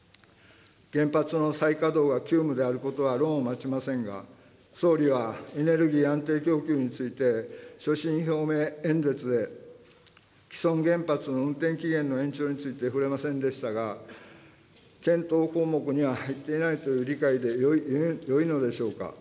原発の再稼働が急務であることは論をまちませんが、総理はエネルギー安定供給について、所信表明演説で、既存原発の運転期限の延長について触れませんでしたが、検討項目には入っていないという理解でよいのでしょうか。